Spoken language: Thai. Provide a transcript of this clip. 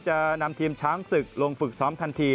จะนำทีมช้างศึกลงฝึกซ้อมทันที